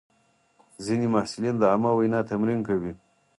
ځینې محصلین د عامه وینا تمرین کوي.